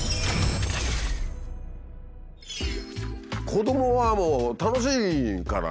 子どもはもう楽しいからね。